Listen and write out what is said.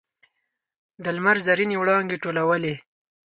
د لمر زرینې وړانګې ټولولې.